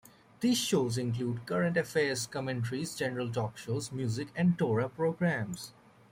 These shows include current affairs commentaries, general talk shows, music, and Torah programs.